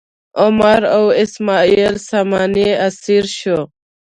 عمر د اسماعیل ساماني اسیر شو.